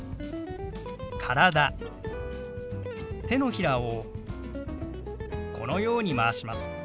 手のひらをこのようにまわします。